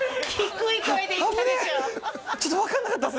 危ねちょっと分かんなかったっす